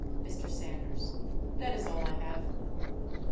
Mr. Sanders. That is all I have.